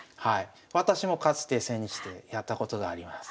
私もかつて千日手やったことがあります。